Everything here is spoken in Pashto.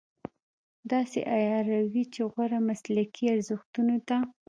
داسې عیاروي چې غوره مسلکي ارزښتونو ته.